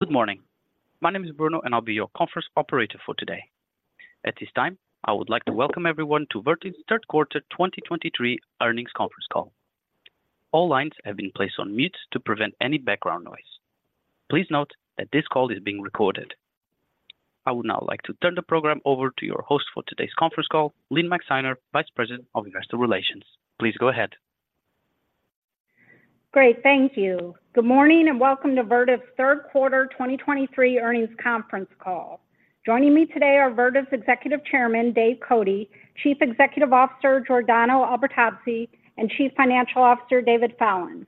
Good morning. My name is Bruno, and I'll be your conference operator for today. At this time, I would like to welcome everyone to Vertiv's Third Quarter 2023 Earnings Conference Call. All lines have been placed on mute to prevent any background noise. Please note that this call is being recorded. I would now like to turn the program over to your host for today's conference call, Lynne Maxeiner, Vice President of Investor Relations. Please go ahead. Great. Thank you. Good morning, and welcome to Vertiv's Third Quarter 2023 Earnings Conference Call. Joining me today are Vertiv's Executive Chairman, Dave Cote, Chief Executive Officer, Giordano Albertazzi, and Chief Financial Officer, David Fallon.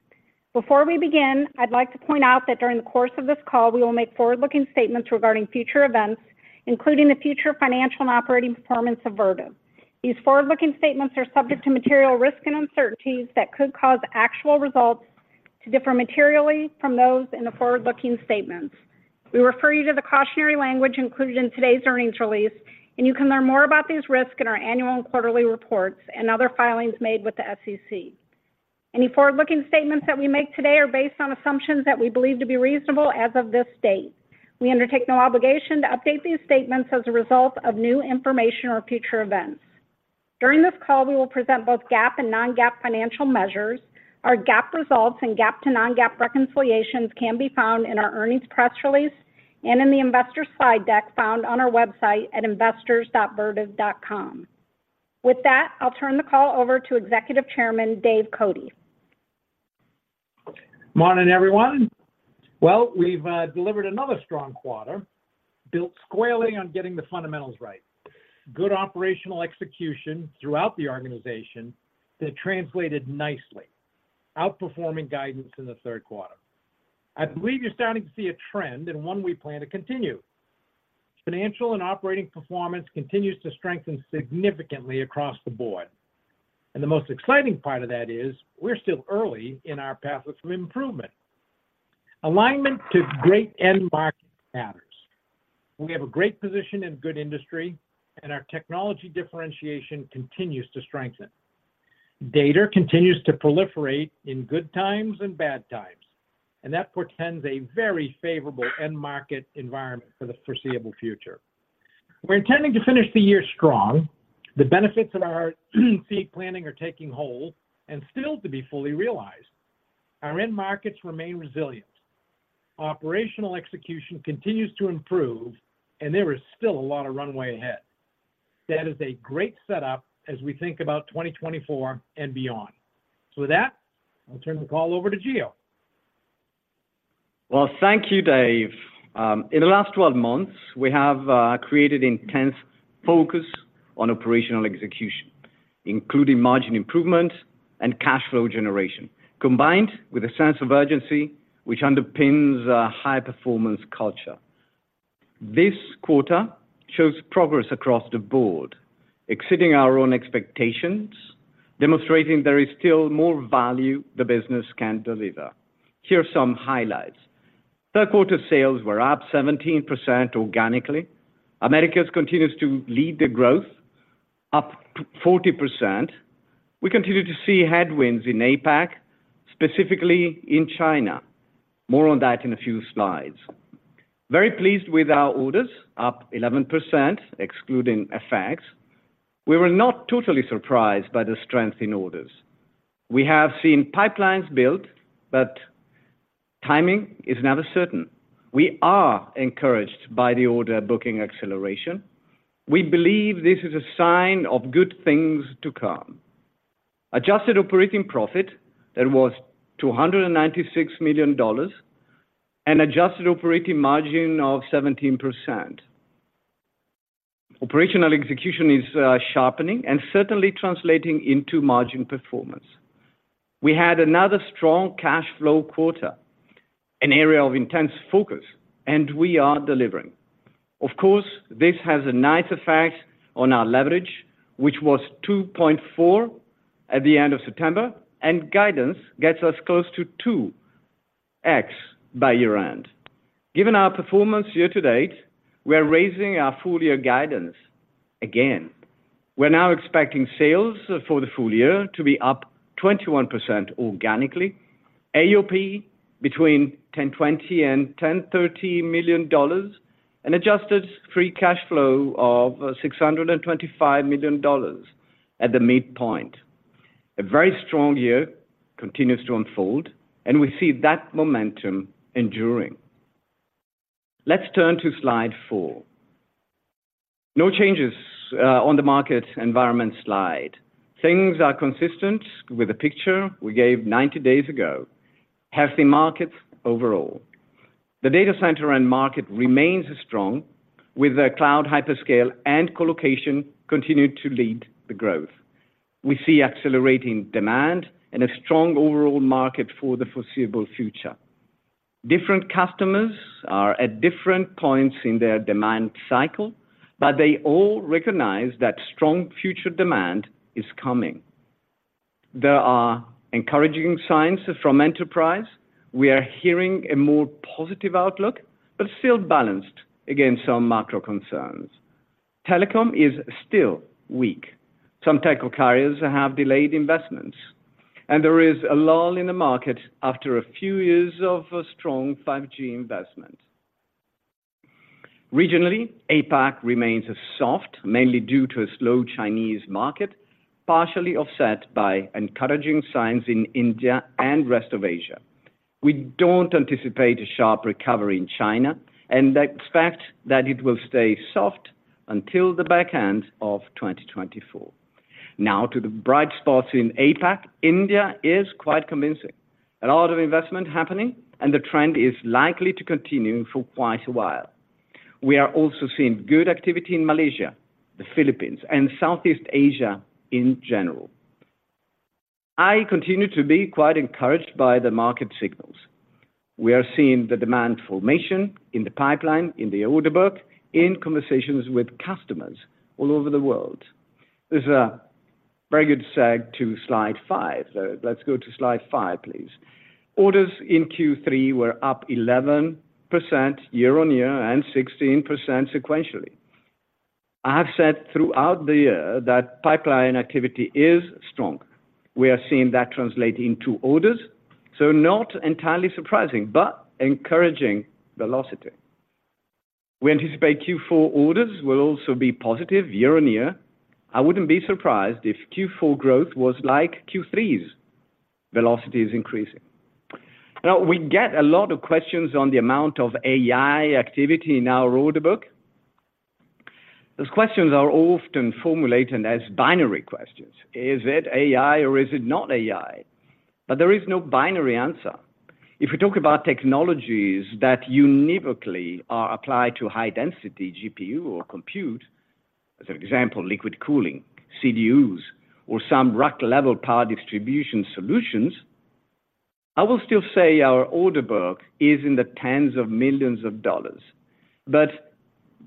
Before we begin, I'd like to point out that during the course of this call, we will make forward-looking statements regarding future events, including the future financial and operating performance of Vertiv. These forward-looking statements are subject to material risks and uncertainties that could cause actual results to differ materially from those in the forward-looking statements. We refer you to the cautionary language included in today's earnings release, and you can learn more about these risks in our annual and quarterly reports and other filings made with the SEC. Any forward-looking statements that we make today are based on assumptions that we believe to be reasonable as of this date. We undertake no obligation to update these statements as a result of new information or future events. During this call, we will present both GAAP and non-GAAP financial measures. Our GAAP results and GAAP to non-GAAP reconciliations can be found in our earnings press release and in the investor slide deck found on our website at investors.vertiv.com. With that, I'll turn the call over to Executive Chairman, Dave Cote. Morning, everyone. Well, we've delivered another strong quarter, built squarely on getting the fundamentals right. Good operational execution throughout the organization that translated nicely, outperforming guidance in the third quarter. I believe you're starting to see a trend, and one we plan to continue. Financial and operating performance continues to strengthen significantly across the board, and the most exciting part of that is we're still early in our pathway for improvement. Alignment to great end market matters. We have a great position in good industry, and our technology differentiation continues to strengthen. Data continues to proliferate in good times and bad times, and that portends a very favorable end market environment for the foreseeable future. We're intending to finish the year strong. The benefits of our SIOP planning are taking hold and still to be fully realized. Our end markets remain resilient. Operational execution continues to improve, and there is still a lot of runway ahead. That is a great setup as we think about 2024 and beyond. So with that, I'll turn the call over to Gio. Well, thank you, Dave. In the last 12 months, we have created intense focus on operational execution, including margin improvement and cash flow generation, combined with a sense of urgency, which underpins a high-performance culture. This quarter shows progress across the board, exceeding our own expectations, demonstrating there is still more value the business can deliver. Here are some highlights. Third quarter sales were up 17% organically. Americas continues to lead the growth, up 40%. We continue to see headwinds in APAC, specifically in China. More on that in a few slides. Very pleased with our orders, up 11%, excluding FX. We were not totally surprised by the strength in orders. We have seen pipelines built, but timing is never certain. We are encouraged by the order booking acceleration. We believe this is a sign of good things to come. Adjusted operating profit, that was $296 million, an Adjusted Operating Margin of 17%. Operational execution is sharpening and certainly translating into margin performance. We had another strong cash flow quarter, an area of intense focus, and we are delivering. Of course, this has a nice effect on our leverage, which was 2.4 at the end of September, and guidance gets us close to 2x by year-end. Given our performance year to date, we are raising our full year guidance again. We're now expecting sales for the full year to be up 21% organically, AOP between $1,020 million and $1,030 million, an adjusted free cash flow of $625 million at the midpoint. A very strong year continues to unfold, and we see that momentum enduring. Let's turn to slide four. No changes on the market environment slide. Things are consistent with the picture we gave 90 days ago. Healthy markets overall. The data center and market remains strong, with the cloud hyperscale and Colocation continuing to lead the growth. We see accelerating demand and a strong overall market for the foreseeable future. Different customers are at different points in their demand cycle, but they all recognize that strong future demand is coming. There are encouraging signs from Enterprise. We are hearing a more positive outlook, but still balanced against some macro concerns. Telecom is still weak. Some telecom carriers have delayed investments, and there is a lull in the market after a few years of strong 5G investment. Regionally, APAC remains soft, mainly due to a slow Chinese market, partially offset by encouraging signs in India and rest of Asia. We don't anticipate a sharp recovery in China, and expect that it will stay soft until the back end of 2024. Now, to the bright spots in APAC, India is quite convincing. A lot of investment happening, and the trend is likely to continue for quite a while. We are also seeing good activity in Malaysia, the Philippines, and Southeast Asia in general. I continue to be quite encouraged by the market signals. We are seeing the demand formation in the pipeline, in the order book, in conversations with customers all over the world. This is a very good segue to slide five. Let's go to slide five, please. Orders in Q3 were up 11% year-on-year and 16% sequentially. I have said throughout the year that pipeline activity is strong. We are seeing that translate into orders, so not entirely surprising, but encouraging velocity. We anticipate Q4 orders will also be positive year-on-year. I wouldn't be surprised if Q4 growth was like Q3's. Velocity is increasing. Now, we get a lot of questions on the amount of AI activity in our order book. Those questions are often formulated as binary questions. Is it AI or is it not AI? But there is no binary answer. If we talk about technologies that uniquely are applied to high-density GPU or compute, as an example, Liquid Cooling, CDUs, or some rack-level power distribution solutions, I will still say our order book is $ tens of millions. But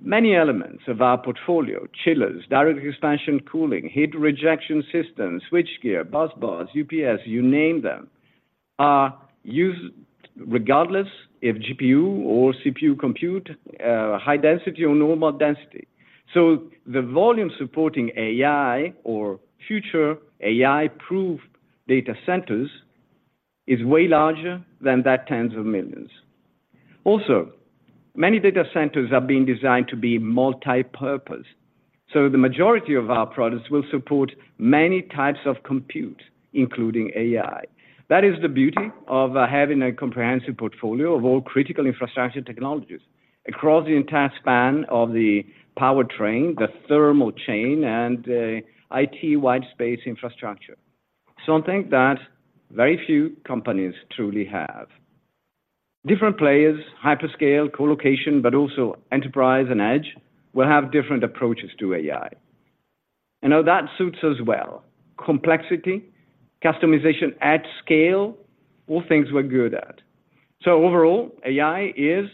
many elements of our portfolio, chillers, direct expansion cooling, heat rejection systems, switchgear, bus bars, UPS, you name them, are used regardless if GPU or CPU compute, high density or normal density. So the volume supporting AI or future AI-proof data centers is way larger than that tens of millions. Also, many data centers are being designed to be multipurpose, so the majority of our products will support many types of compute, including AI. That is the beauty of having a comprehensive portfolio of all critical infrastructure technologies across the entire span of the powertrain, the thermal chain, and the IT whitespace infrastructure. Something that very few companies truly have. Different players, hyperscale, Colocation, but also enterprise and edge, will have different approaches to AI. And now that suits us well. Complexity, customization at scale, all things we're good at. So overall, AI is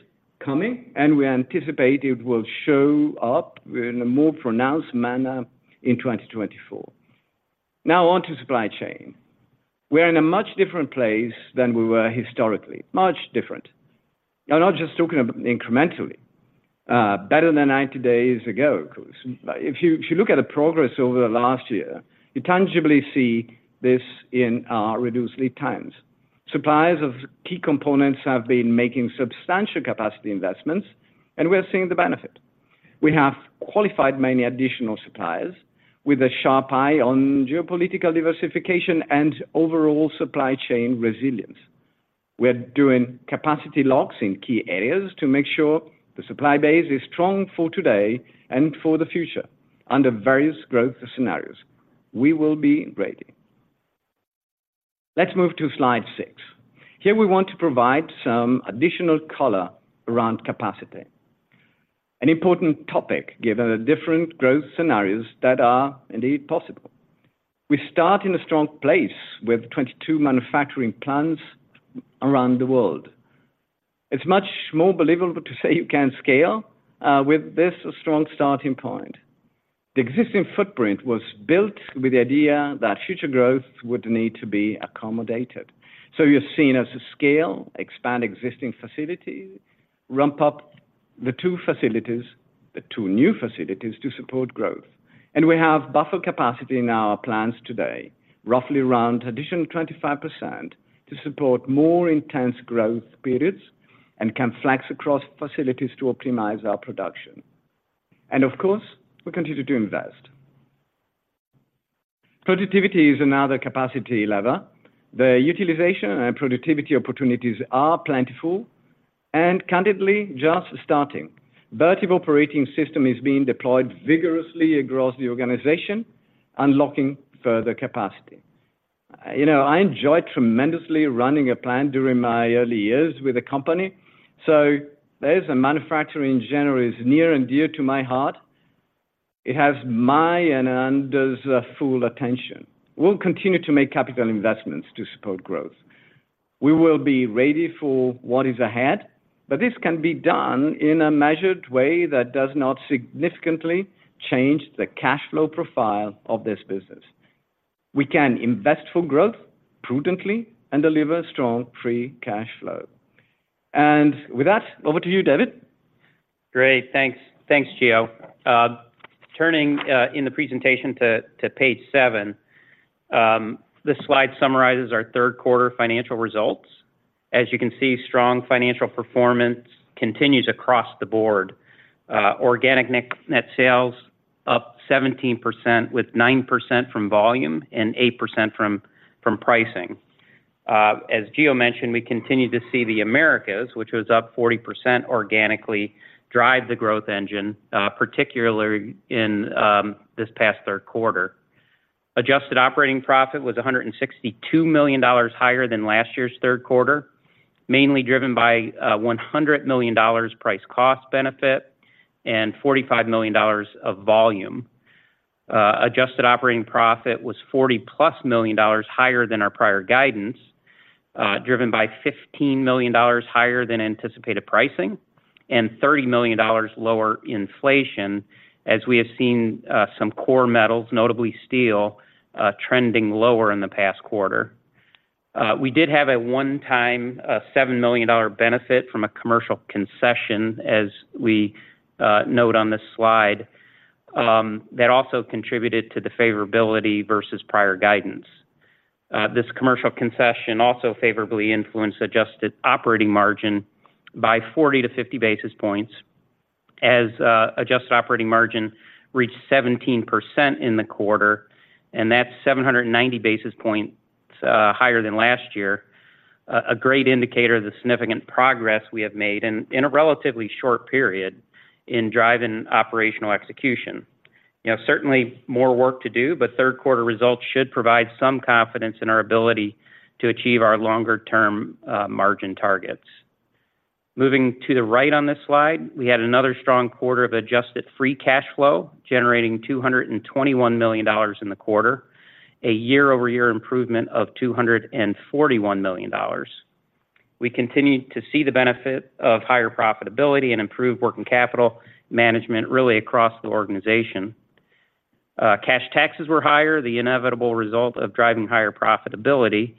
coming, and we anticipate it will show up in a more pronounced manner in 2024. Now on to supply chain. We're in a much different place than we were historically. Much different. I'm not just talking about incrementally better than 90 days ago, of course. But if you, if you look at the progress over the last year, you tangibly see this in our reduced lead times. Suppliers of key components have been making substantial capacity investments, and we are seeing the benefit. We have qualified many additional suppliers with a sharp eye on geopolitical diversification and overall supply chain resilience. We're doing capacity locks in key areas to make sure the supply base is strong for today and for the future under various growth scenarios. We will be ready. Let's move to slide six. Here, we want to provide some additional color around capacity. An important topic, given the different growth scenarios that are indeed possible. We start in a strong place with 22 manufacturing plants around the world. It's much more believable to say you can scale with this strong starting point. The existing footprint was built with the idea that future growth would need to be accommodated. So you're seeing us scale, expand existing facilities, ramp up the two facilities, the two new facilities to support growth. And we have buffer capacity in our plants today, roughly around additional 25%, to support more intense growth periods and can flex across facilities to optimize our production. And of course, we continue to invest. Productivity is another capacity lever. The utilization and productivity opportunities are plentiful and candidly, just starting. Vertiv Operating System is being deployed vigorously across the organization, unlocking further capacity. You know, I enjoyed tremendously running a plant during my early years with the company, so there's a manufacturing generally is near and dear to my heart. It has my and Anand's full attention. We'll continue to make capital investments to support growth. We will be ready for what is ahead, but this can be done in a measured way that does not significantly change the cash flow profile of this business. We can invest for growth prudently and deliver strong free cash flow. With that, over to you, David. Great. Thanks. Thanks, Gio. Turning in the presentation to page seven, this slide summarizes our third quarter financial results. As you can see, strong financial performance continues across the board. Organic net sales up 17%, with 9% from volume and 8% from pricing. As Gio mentioned, we continue to see the Americas, which was up 40% organically, drive the growth engine, particularly in this past third quarter. Adjusted operating profit was $162 million higher than last year's third quarter, mainly driven by $100 million price cost benefit and $45 million of volume. Adjusted Operating Profit was $40+ million higher than our prior guidance, driven by $15 million higher than anticipated pricing and $30 million lower inflation, as we have seen, some core metals, notably steel, trending lower in the past quarter. We did have a one-time $7 million benefit from a commercial concession, as we note on this slide, that also contributed to the favorability versus prior guidance. This commercial concession also favorably influenced Adjusted Operating Margin by 40-50 basis points, as Adjusted Operating Margin reached 17% in the quarter, and that's 790 basis points higher than last year. A great indicator of the significant progress we have made in, in a relatively short period in driving operational execution. You know, certainly more work to do, but third quarter results should provide some confidence in our ability to achieve our longer-term margin targets. Moving to the right on this slide, we had another strong quarter of adjusted free cash flow, generating $221 million in the quarter, a year-over-year improvement of $241 million. We continue to see the benefit of higher profitability and improved working capital management really across the organization. Cash taxes were higher, the inevitable result of driving higher profitability,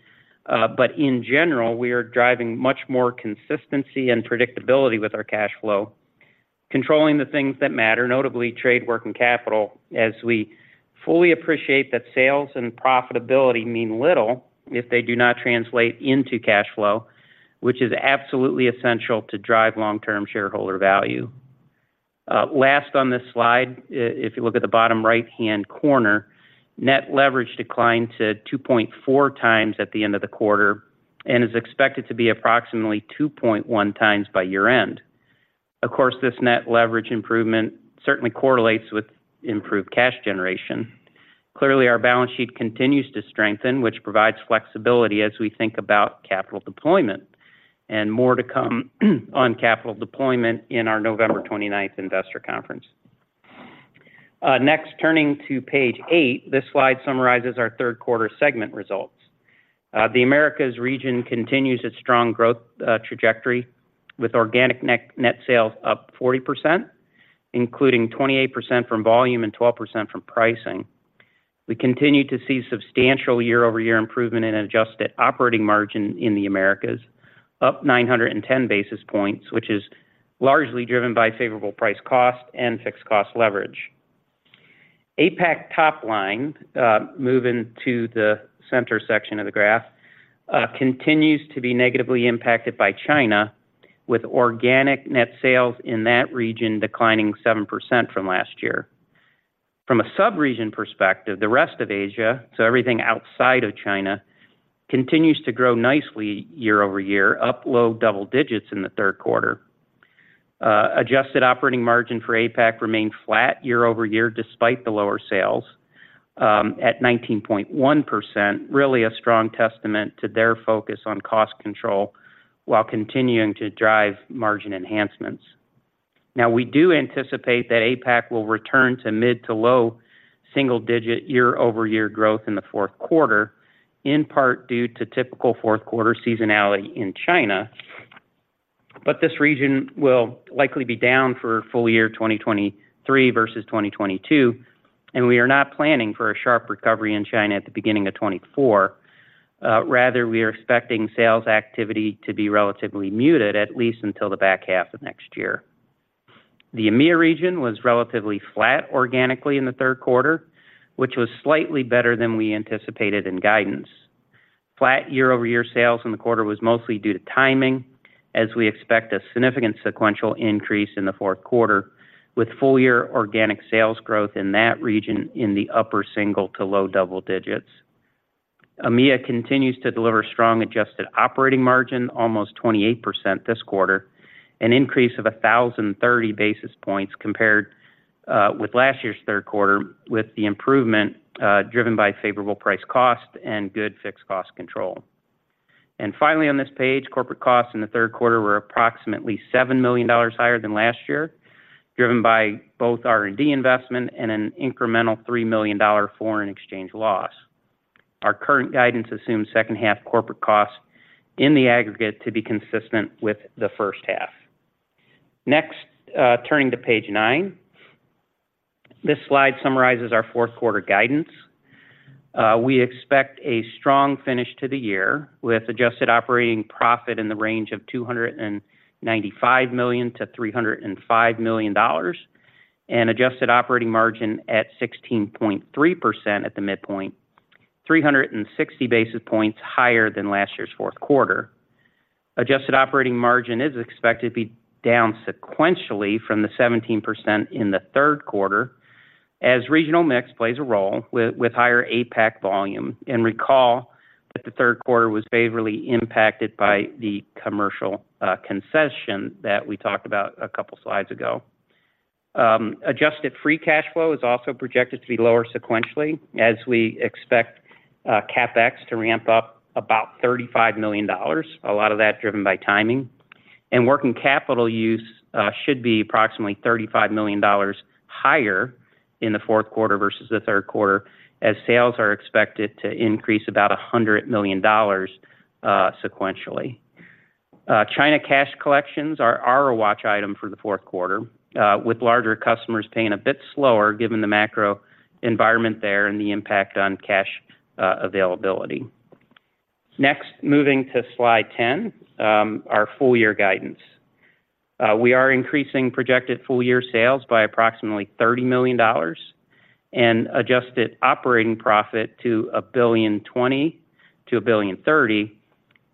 but in general, we are driving much more consistency and predictability with our cash flow, controlling the things that matter, notably Trade Working Capital, as we fully appreciate that sales and profitability mean little if they do not translate into cash flow, which is absolutely essential to drive long-term shareholder value. Last on this slide, if you look at the bottom right-hand corner, net leverage declined to 2.4x at the end of the quarter and is expected to be approximately 2.1x by year-end. Of course, this net leverage improvement certainly correlates with improved cash generation. Clearly, our balance sheet continues to strengthen, which provides flexibility as we think about capital deployment, and more to come on capital deployment in our November 29th investor conference. Next, turning to page eight, this slide summarizes our third quarter segment results. The Americas region continues its strong growth trajectory with organic net sales up 40%, including 28% from volume and 12% from pricing. We continue to see substantial year-over-year improvement in Adjusted Operating Margin in the Americas, up 910 basis points, which is largely driven by favorable price cost and fixed cost leverage. APAC top line, moving to the center section of the graph, continues to be negatively impacted by China, with organic net sales in that region declining 7% from last year. From a subregion perspective, the rest of Asia, so everything outside of China, continues to grow nicely year-over-year, up low double digits in the third quarter. Adjusted Operating Margin for APAC remained flat year-over-year, despite the lower sales, at 19.1%. Really a strong testament to their focus on cost control while continuing to drive margin enhancements. Now, we do anticipate that APAC will return to mid- to low-single-digit year-over-year growth in the fourth quarter, in part due to typical fourth quarter seasonality in China. But this region will likely be down for full year 2023 versus 2022, and we are not planning for a sharp recovery in China at the beginning of 2024. Rather, we are expecting sales activity to be relatively muted, at least until the back half of next year. The EMEA region was relatively flat organically in the third quarter, which was slightly better than we anticipated in guidance. Flat year-over-year sales in the quarter was mostly due to timing, as we expect a significant sequential increase in the fourth quarter, with full year organic sales growth in that region in the upper-single- to low-double-digits. EMEA continues to deliver strong Adjusted Operating Margin, almost 28% this quarter, an increase of 1,030 basis points compared with last year's third quarter, with the improvement driven by favorable price cost and good fixed cost control. Finally, on this page, corporate costs in the third quarter were approximately $7 million higher than last year, driven by both R&D investment and an incremental $3 million foreign exchange loss. Our current guidance assumes second-half corporate costs in the aggregate to be consistent with the first half. Next, turning to page nine. This slide summarizes our fourth quarter guidance. We expect a strong finish to the year, with adjusted operating profit in the range of $295 million-305 million, and Adjusted Operating Margin at 16.3% at the midpoint, 360 basis points higher than last year's fourth quarter. Adjusted Operating Margin is expected to be down sequentially from the 17% in the third quarter, as regional mix plays a role with higher APAC volume. And recall that the third quarter was favorably impacted by the commercial concession that we talked about a couple of slides ago. Adjusted free cash flow is also projected to be lower sequentially, as we expect CapEx to ramp up about $35 million. A lot of that driven by timing. Working capital use should be approximately $35 million higher in the fourth quarter versus the third quarter, as sales are expected to increase about $100 million sequentially. China cash collections are a watch item for the fourth quarter, with larger customers paying a bit slower, given the macro environment there and the impact on cash availability. Next, moving to slide 10, our full year guidance. We are increasing projected full year sales by approximately $30 million, and adjusted operating profit to $1.02 billion-1.03 billion,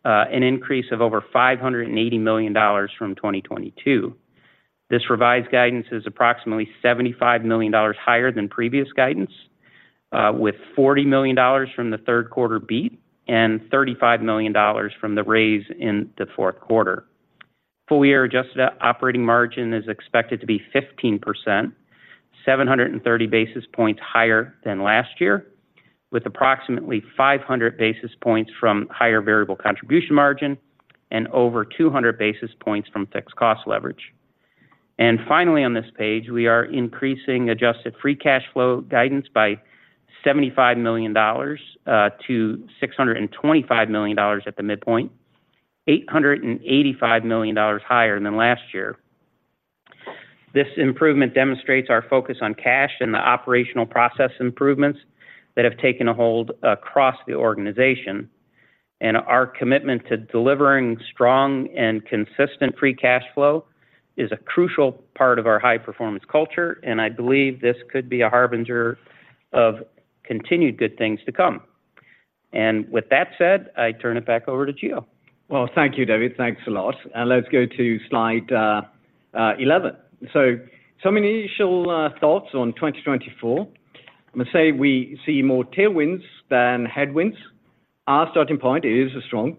an increase of over $580 million from 2022. This revised guidance is approximately $75 million higher than previous guidance, with $40 million from the third quarter beat and $35 million from the raise in the fourth quarter. Full-year Adjusted Operating Margin is expected to be 15%, 730 basis points higher than last year, with approximately 500 basis points from higher variable contribution margin and over 200 basis points from fixed cost leverage. Finally, on this page, we are increasing adjusted free cash flow guidance by $75 million to 625 million at the midpoint, $885 million higher than last year. This improvement demonstrates our focus on cash and the operational process improvements that have taken a hold across the organization. Our commitment to delivering strong and consistent free cash flow is a crucial part of our high-performance culture, and I believe this could be a harbinger of continued good things to come. With that said, I turn it back over to Gio. Well, thank you, David. Thanks a lot. And let's go to slide 11. So, some initial thoughts on 2024. I must say we see more tailwinds than headwinds. Our starting point is strong.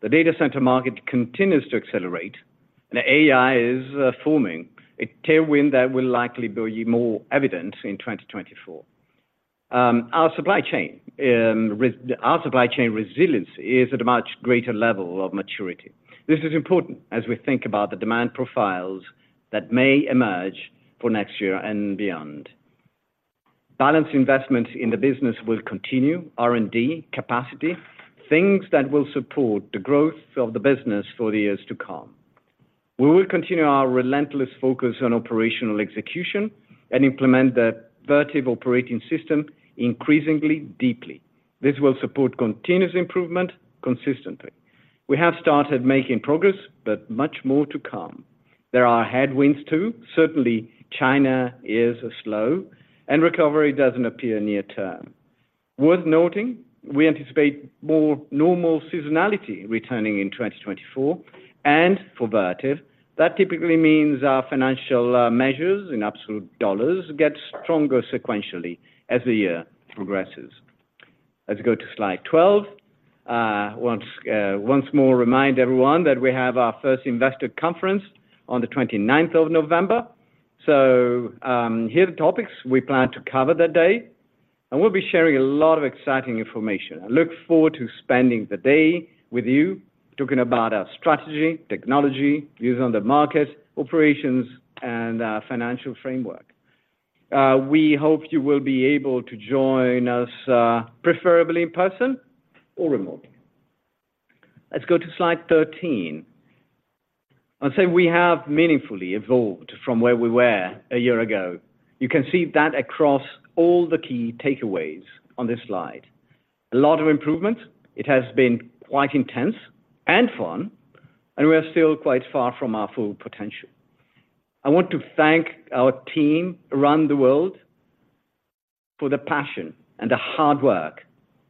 The data center market continues to accelerate, and AI is forming a tailwind that will likely be more evident in 2024. Our supply chain resilience is at a much greater level of maturity. This is important as we think about the demand profiles that may emerge for next year and beyond. Balanced investments in the business will continue, R&D, capacity, things that will support the growth of the business for the years to come. We will continue our relentless focus on operational execution and implement the Vertiv Operating System increasingly, deeply. This will support continuous improvement consistently. We have started making progress, but much more to come. There are headwinds, too. Certainly, China is slow, and recovery doesn't appear near term. Worth noting, we anticipate more normal seasonality returning in 2024, and for Vertiv, that typically means our financial measures in absolute dollars get stronger sequentially as the year progresses. Let's go to slide 12. Once more, remind everyone that we have our first investor conference on the 29th of November. So, here are the topics we plan to cover that day, and we'll be sharing a lot of exciting information. I look forward to spending the day with you, talking about our strategy, technology, views on the market, operations, and our financial framework. We hope you will be able to join us, preferably in person or remotely. Let's go to slide 13. I'd say we have meaningfully evolved from where we were a year ago. You can see that across all the key takeaways on this slide. A lot of improvement. It has been quite intense and fun, and we are still quite far from our full potential. I want to thank our team around the world for the passion and the hard work,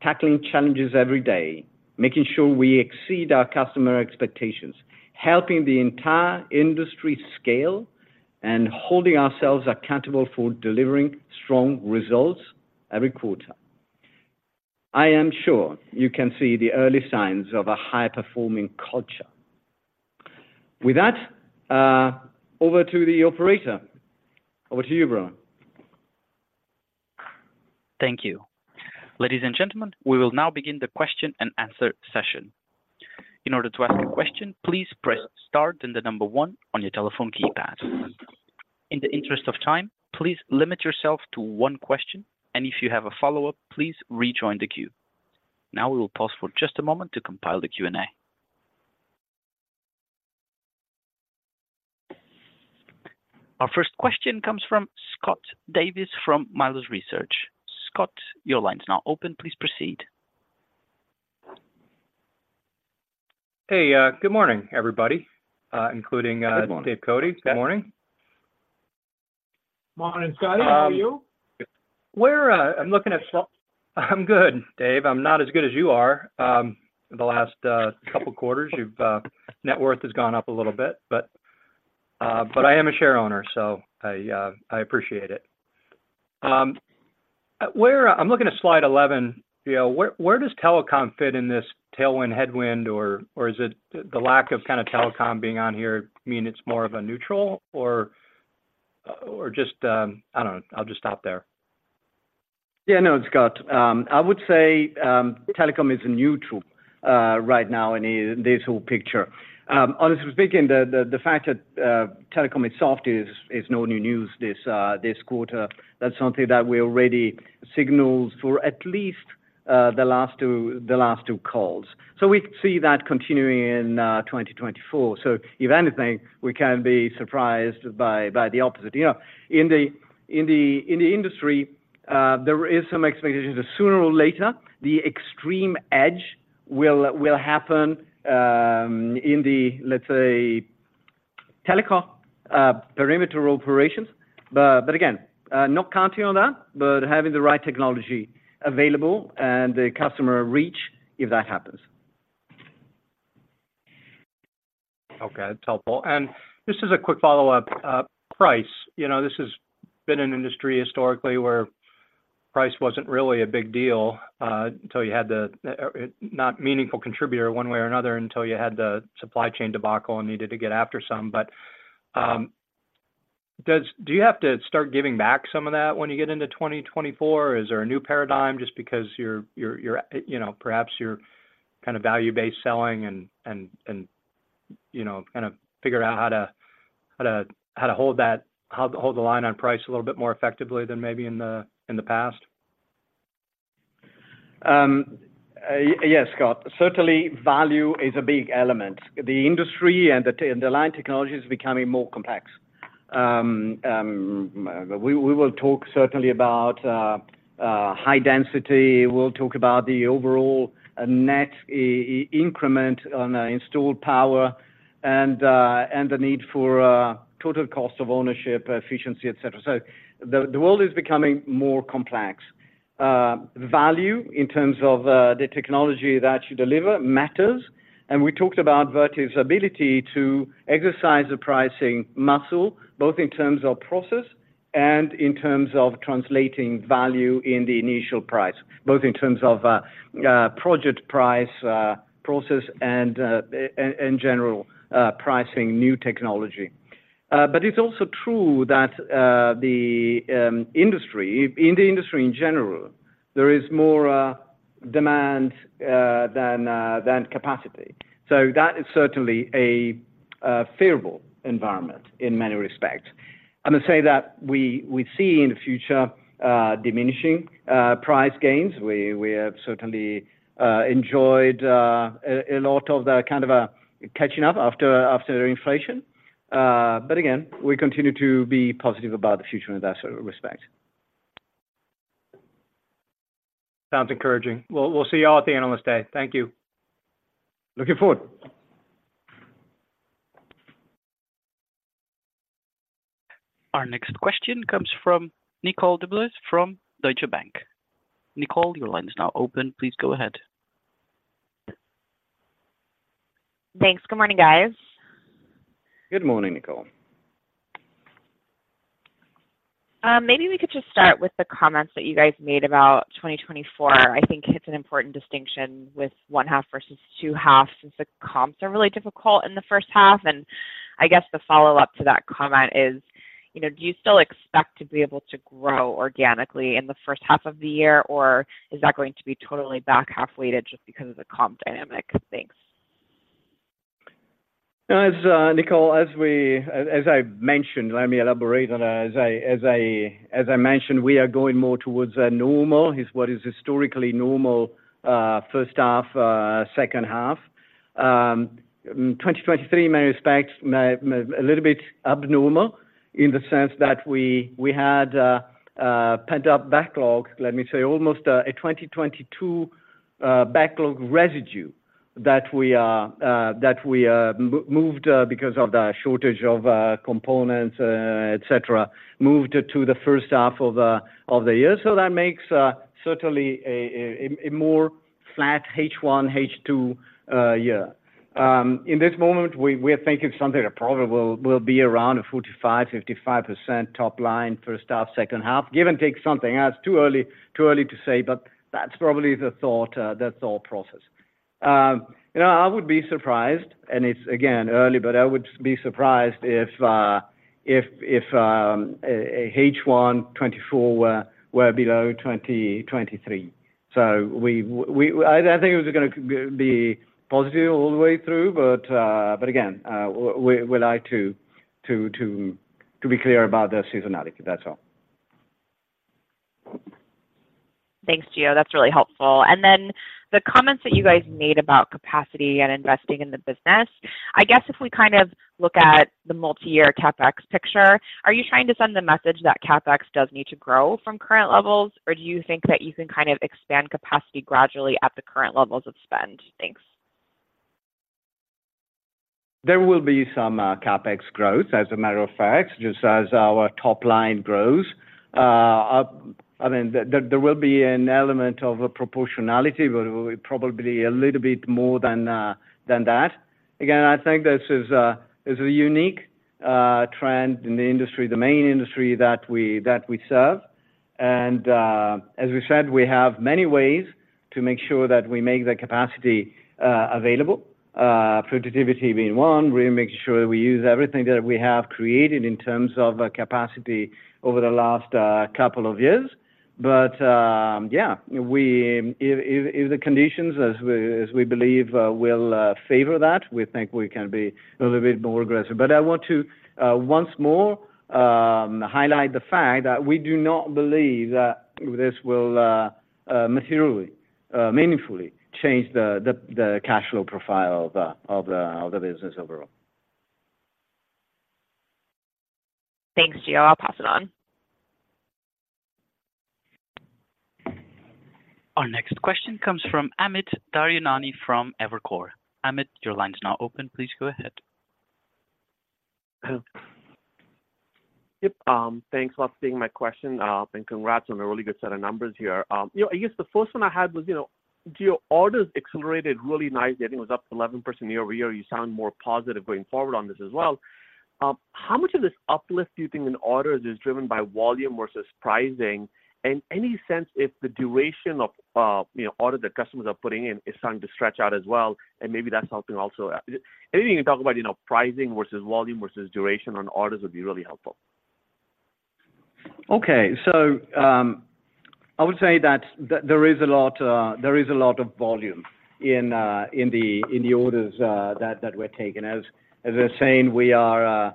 tackling challenges every day, making sure we exceed our customer expectations, helping the entire industry scale, and holding ourselves accountable for delivering strong results every quarter. I am sure you can see the early signs of a high-performing culture. With that, over to the operator. Over to you, Bruno. Thank you. Ladies and gentlemen, we will now begin the question-and-answer session. In order to ask a question, please press star then the number one on your telephone keypad.... In the interest of time, please limit yourself to one question, and if you have a follow-up, please rejoin the queue. Now we will pause for just a moment to compile the Q&A. Our first question comes from Scott Davis from Melius Research. Scott, your line is now open. Please proceed. Hey, good morning, everybody, including- Good morning Dave Cote. Good morning. Morning, Scott. How are you? I'm good, Dave. I'm not as good as you are. The last couple of quarters, your net worth has gone up a little bit, but I am a shareowner, so I appreciate it. I'm looking at slide 11. You know, where does telecom fit in this tailwind, headwind, or is it the lack of kind of telecom being on here mean it's more of a neutral or just. I don't know. I'll just stop there. Yeah, I know, Scott. I would say, telecom is neutral, right now in this whole picture. Honestly speaking, the fact that telecom is soft is no new news this quarter. That's something that we already signaled for at least the last two calls. So we see that continuing in 2024. So if anything, we can be surprised by the opposite. You know, in the industry, there is some expectations that sooner or later, the extreme edge will happen in the, let's say, telecom perimeter operations. But again, not counting on that, but having the right technology available and the customer reach if that happens. Okay, it's helpful. And just as a quick follow-up, price, you know, this has been an industry historically where price wasn't really a big deal, not a meaningful contributor one way or another, until you had the supply chain debacle and needed to get after some. But, do you have to start giving back some of that when you get into 2024? Is there a new paradigm just because you're, you know, perhaps you're value-based selling and, you know, kind of figured out how to hold that, how to hold the line on price a little bit more effectively than maybe in the past? Yes, Scott. Certainly, value is a big element. The industry and the line technology is becoming more complex. We will talk certainly about high density. We'll talk about the overall net increment on installed power and the need for total cost of ownership, efficiency, et cetera. So the world is becoming more complex. Value in terms of the technology that you deliver matters, and we talked about Vertiv's ability to exercise the pricing muscle, both in terms of process and in terms of translating value in the initial price, both in terms of project price, process, and general pricing new technology. But it's also true that the industry, in the industry in general, there is more demand than capacity. So that is certainly a favorable environment in many respects. I'm gonna say that we, we see in the future diminishing price gains. We, we have certainly enjoyed a lot of the kind of catching up after inflation. But again, we continue to be positive about the future in that respect. Sounds encouraging. We'll see you all at the end on this day. Thank you. Looking forward. Our next question comes from Nicole DeBlase from Deutsche Bank. Nicole, your line is now open. Please go ahead. Thanks. Good morning, guys. Good morning, Nicole. Maybe we could just start with the comments that you guys made about 2024. I think it's an important distinction with 1.2 versus 2.2, since the comps are really difficult in the first half. I guess the follow-up to that comment is, you know, do you still expect to be able to grow organically in the first half of the year, or is that going to be totally back half weighted just because of the comp dynamic? Thanks. As Nicole, as I mentioned, let me elaborate on as I mentioned, we are going more towards a normal, is what is historically normal, first half, second half. 2023, in many respects, may a little bit abnormal in the sense that we had a pent-up backlog, let me say, almost a 2022 backlog residue that we moved because of the shortage of components, et cetera, moved to the first half of the year. So that makes certainly a more flat H1, H2 year. In this moment, we are thinking something that probably will be around a 45%-55% top line, first half, second half, give and take something. It's too early, too early to say, but that's probably the thought, the thought process. You know, I would be surprised, and it's again, early, but I would be surprised if H1 2024 were below 2023. So we, I think it was going to be positive all the way through, but again, we like to be clear about the seasonality, that's all. Thanks, Gio. That's really helpful. And then the comments that you guys made about capacity and investing in the business, I guess if we kind of look at the multi-year CapEx picture, are you trying to send the message that CapEx does need to grow from current levels? Or do you think that you can kind of expand capacity gradually at the current levels of spend? Thanks. There will be some CapEx growth, as a matter of fact, just as our top line grows. I mean, there will be an element of a proportionality, but probably a little bit more than that. Again, I think this is a unique trend in the industry, the main industry that we serve. And as we said, we have many ways to make sure that we make the capacity available, productivity being one, really making sure we use everything that we have created in terms of capacity over the last couple of years. But yeah, if the conditions as we believe will favor that, we think we can be a little bit more aggressive. But I want to once more highlight the fact that we do not believe that this will materially meaningfully change the cash flow profile of the business overall. Thanks, Gio. I'll pass it on. Our next question comes from Amit Daryanani from Evercore. Amit, your line is now open. Please go ahead. Yep, thanks a lot for taking my question, and congrats on a really good set of numbers here. You know, I guess the first one I had was, you know, do your orders accelerated really nicely? I think it was up 11% year over year. You sound more positive going forward on this as well. How much of this uplift do you think in orders is driven by volume versus pricing? And any sense if the duration of, you know, order the customers are putting in is starting to stretch out as well, and maybe that's something also. Anything you can talk about, you know, pricing versus volume versus duration on orders would be really helpful. Okay. So I would say that there is a lot of volume in the orders that we're taking. As we're saying, we are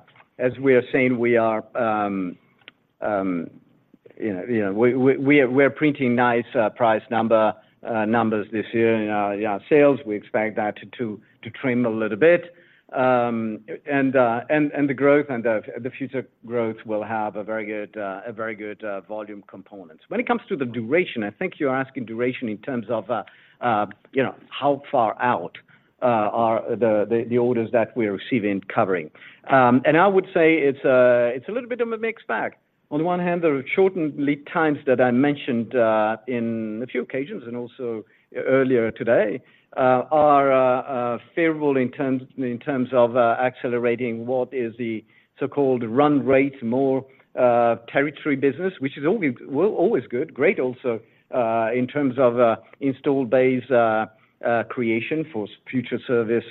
printing nice price numbers this year in our sales. We expect that to trim a little bit. And the growth and the future growth will have a very good volume component. When it comes to the duration, I think you're asking duration in terms of you know how far out are the orders that we're receiving covering. And I would say it's a little bit of a mixed bag. On the one hand, there are shortened lead times that I mentioned in a few occasions and also earlier today are favorable in terms of accelerating what is the so-called run rate more territory business, which is always, well, always good. Great also in terms of install base creation for future service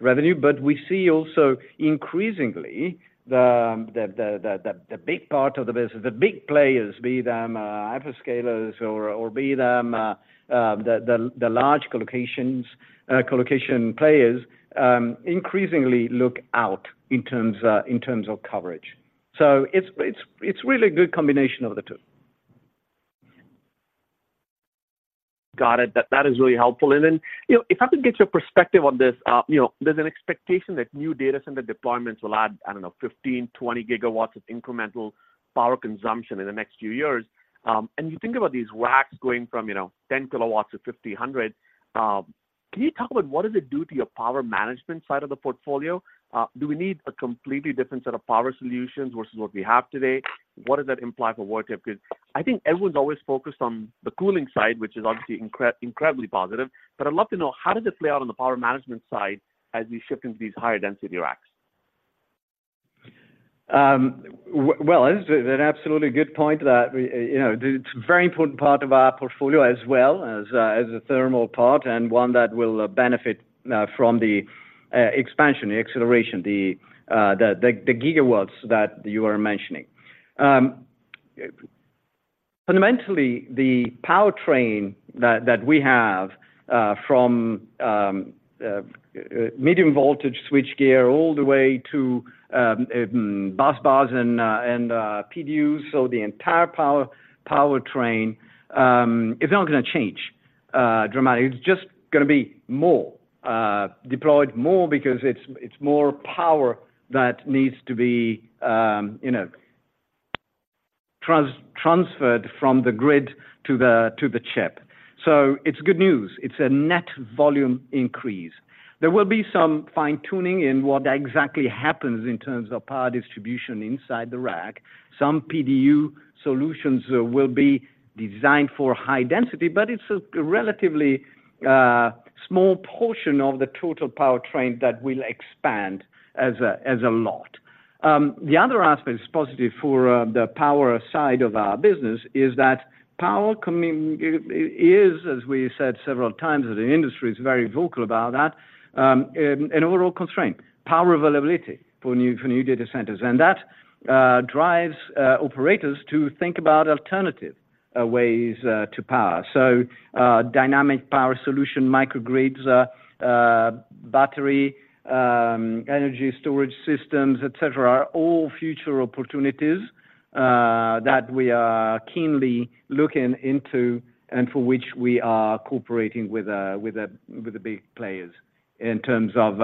revenue. But we see also increasingly the big part of the business, the big players, be them hyperscalers or be them the large Colocation players increasingly look out in terms of coverage. So it's really a good combination of the two. Got it. That, that is really helpful. And then, you know, if I can get your perspective on this, you know, there's an expectation that new data center deployments will add, I don't know, 15, 20 GW of incremental power consumption in the next few years. And you think about these racks going from, you know, 10 kW to 50, 100. Can you talk about what does it do to your power management side of the portfolio? Do we need a completely different set of power solutions versus what we have today? What does that imply for workup? Because I think everyone's always focused on the cooling side, which is obviously incredibly positive. But I'd love to know, how does it play out on the power management side as we shift into these higher density racks? Well, it's an absolutely good point that, you know, it's a very important part of our portfolio as well as a thermal part, and one that will benefit from the expansion, the acceleration, the gigawatts that you are mentioning. Fundamentally, the powertrain that we have from Medium Voltage switchgear all the way to busbars and PDUs, so the entire powertrain is not going to change dramatically. It's just going to be more deployed more because it's more power that needs to be, you know, transferred from the grid to the chip. So it's good news. It's a net volume increase. There will be some fine-tuning in what exactly happens in terms of power distribution inside the rack. Some PDU solutions will be designed for high density, but it's a relatively small portion of the total power train that will expand as a lot... The other aspect is positive for the power side of our business is that power coming. It is, as we said several times, that the industry is very vocal about that in overall constraint power availability for new data centers. And that drives operators to think about alternative ways to power. So, dynamic power solution, microgrids, battery energy storage systems, et cetera, are all future opportunities that we are keenly looking into and for which we are cooperating with the big players in terms of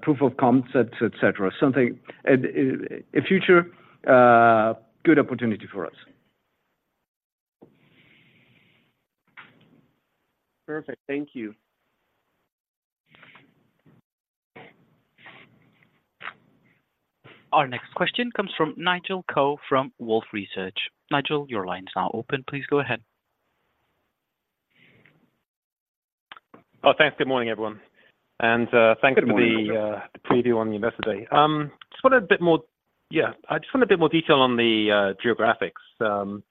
proof of concepts, et cetera. Something, and, and a future, good opportunity for us. Perfect. Thank you. Our next question comes from Nigel Coe from Wolfe Research. Nigel, your line is now open. Please go ahead. Oh, thanks. Good morning, everyone, and thank you for the- Good morning Preview on the Investor Day. Just want a bit more-- Yeah, I just want a bit more detail on the geographics.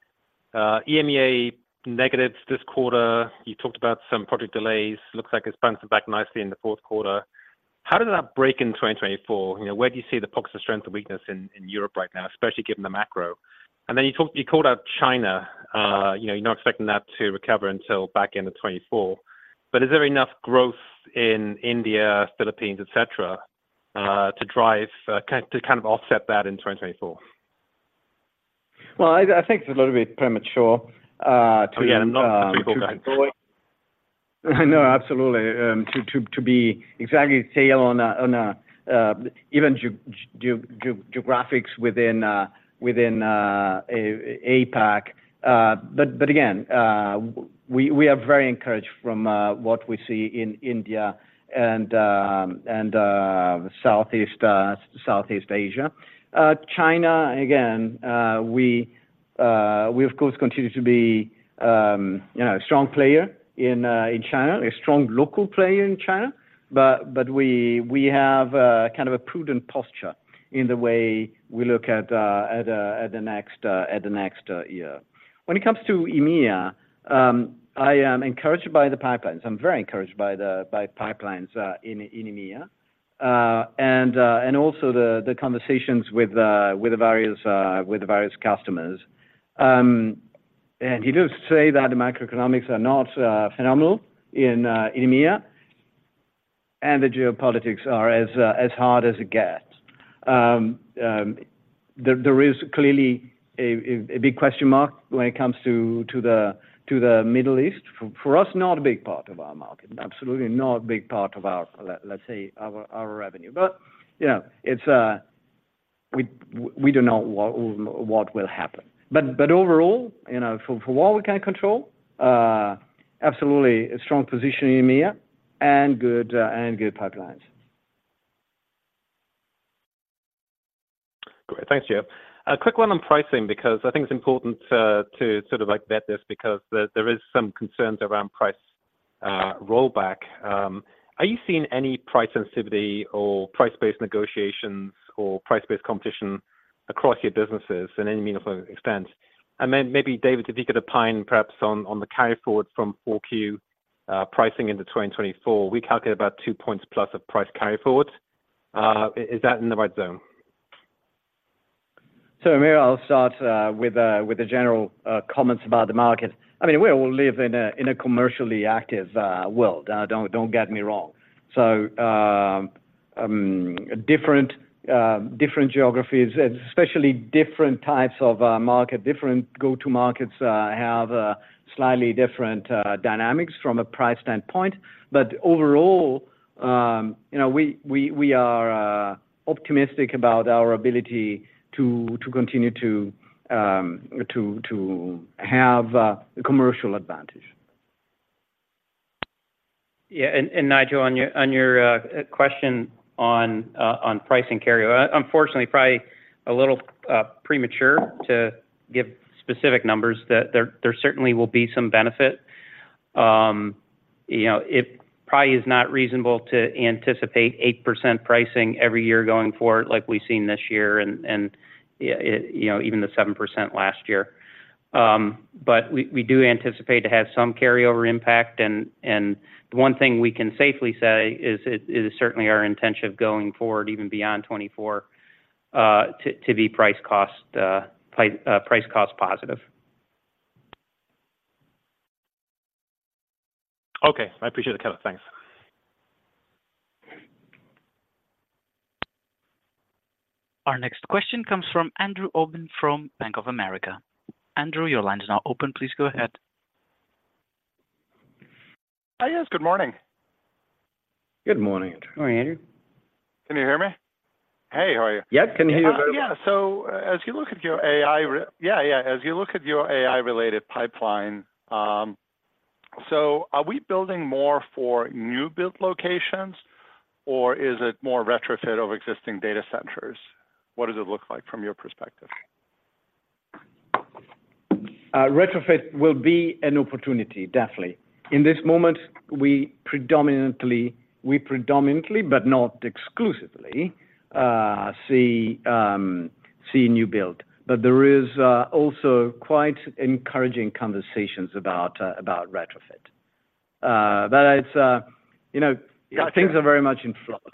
EMEA negatives this quarter, you talked about some project delays. Looks like it's bouncing back nicely in the fourth quarter. How did that break in 2024? You know, where do you see the pockets of strength and weakness in Europe right now, especially given the macro? And then you talked-- you called out China, you know, you're not expecting that to recover until back end of 2024. But is there enough growth in India, Philippines, et cetera, to drive to kind of offset that in 2024? Well, I think it's a little bit premature to- Yeah, not for people to- I know, absolutely. To be exact, tailored to our geographies within APAC. But again, we are very encouraged from what we see in India and Southeast Asia. China, again, we of course continue to be, you know, a strong player in China, a strong local player in China, but we have kind of a prudent posture in the way we look at the next year. When it comes to EMEA, I am encouraged by the pipelines. I'm very encouraged by the pipelines in EMEA, and also the conversations with the various customers. And you do say that the macroeconomics are not phenomenal in EMEA, and the geopolitics are as hard as it gets. There is clearly a big question mark when it comes to the Middle East. For us, not a big part of our market, absolutely not a big part of our, let's say, our revenue. But, you know, it's, we do know what will happen. But overall, you know, for what we can control, absolutely a strong position in EMEA and good and good pipelines. Great. Thanks, Gio. A quick one on pricing, because I think it's important, to sort of like vet this because there, there is some concerns around price rollback. Are you seeing any price sensitivity or price-based negotiations or price-based competition across your businesses in any meaningful extent? And then maybe, David, if you could opine, perhaps on, on the carry forward from Q4, pricing into 2024, we calculate about 2 points plus of price carry forward. Is that in the right zone? So maybe I'll start with the general comments about the market. I mean, we all live in a commercially active world. Don't get me wrong. So different geographies, especially different types of market, different go-to markets, have slightly different dynamics from a price standpoint. But overall, you know, we are optimistic about our ability to continue to have a commercial advantage. Yeah, Nigel, on your question on pricing carryover. Unfortunately, probably a little premature to give specific numbers, that there certainly will be some benefit. You know, it probably is not reasonable to anticipate 8% pricing every year going forward like we've seen this year and, you know, even the 7% last year. But we do anticipate to have some carryover impact, and the one thing we can safely say is it is certainly our intention going forward, even beyond 2024, to be price-cost positive. Okay, I appreciate the color. Thanks. Our next question comes from Andrew Obin from Bank of America. Andrew, your line is now open. Please go ahead. Hi, yes, good morning. Good morning, Andrew. Morning, Andrew. Can you hear me? Hey, how are you? Yep, can hear you very well. Yeah. So as you look at your AI-related pipeline, so are we building more for new-built locations or is it more retrofit of existing data centers? What does it look like from your perspective? ... retrofit will be an opportunity, definitely. In this moment, we predominantly, but not exclusively, see new build. But there is also quite encouraging conversations about retrofit. But it's, you know, things are very much in flux.